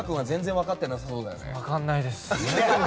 分かんないです。